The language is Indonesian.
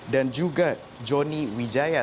dan juga joni wijaya